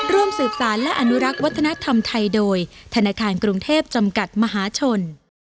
ร่วมสืบสารและอนุรักษ์วัฒนธรรมไทยโดยธนาคารกรุงเทพจำกัดมหาชน